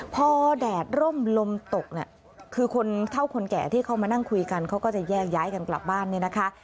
พอแดดร่มลมตกเนี่ยคือคนเท่าคนแก่ที่เขามานั่งคุยกันเขาก็จะแยกย้ายกันกลับบ้านเนี่ยนะคะ